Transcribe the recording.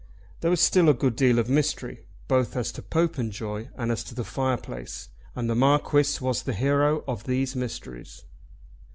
There was still a good deal of mystery, both as to Popenjoy and as to the fireplace, and the Marquis was the hero of these mysteries.